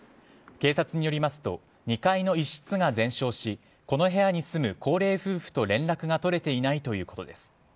警察によりますと２階の一室が全焼しこの部屋に住む高齢夫婦と連絡が取れていないということです。